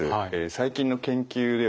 最近の研究ではですね